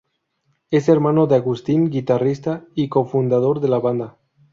Es hermano de Agustín, guitarrista y co-fundador de la banda.